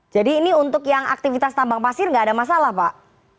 jadi ini untuk yang aktivitas tambang pasir tidak ada masalah pak